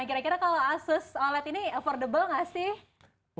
kira kira kalau asus oled ini affordable gak sih